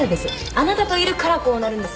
あなたといるからこうなるんです。